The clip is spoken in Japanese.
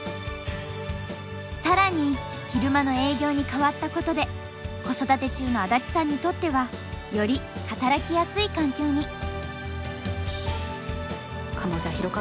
更に昼間の営業に変わったことで子育て中の安達さんにとってはより働きやすい環境に。